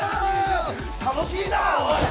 楽しいなおい！